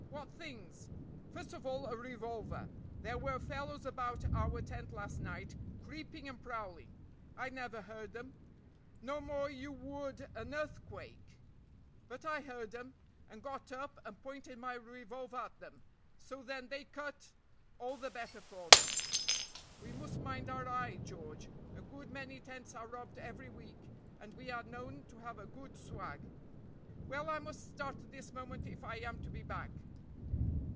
"What things?" "First of all, a revolver; there were fellows about our tent last night, creeping and prowling." "I never heard them." "No more you would an earthquake but I heard them, and got up and pointed my revolver at them; so then they cut all the better for them. We must mind our eye, George; a good many tents are robbed every week, and we are known to have a good swag." "Well, I must start this moment if I am to be back."